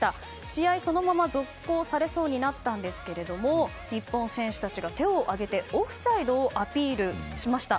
試合をそのまま続行されそうになりましたが日本選手たちが手を上げてオフサイドをアピールしました。